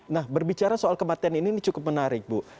nah berbicara soal kematian ini cukup menarik bu